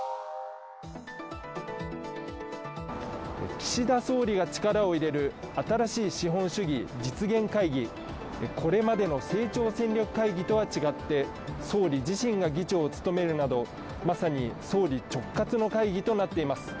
岸田総理が力を入れる新しい資本主義実現会議、これまでの成長戦略会議とは違って総理自身が議長を務めるなどまさに総理直轄の会議となっています。